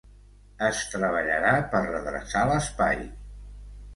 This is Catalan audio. Es treballarà per redreçar l'espai.